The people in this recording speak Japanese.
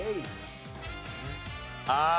ああ。